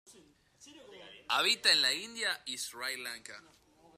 Habita en la India y Sri Lanka.